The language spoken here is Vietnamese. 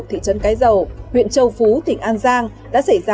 thị trấn cái dầu huyện châu phú tỉnh an giang